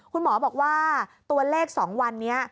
คุณหมอบอกว่าตัวเลข๒วันนี้